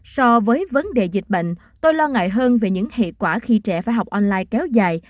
so với vấn đề dịch bệnh tôi lo ngại hơn về những hệ quả khi trẻ phải học online kéo dài